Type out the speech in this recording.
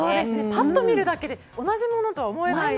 パッと見るだけで同じものとは思えない。